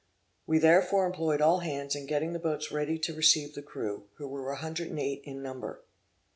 We therefore employed all hands in getting the boats ready to receive the crew, who were 108 in number.